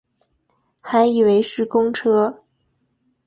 还以为是公车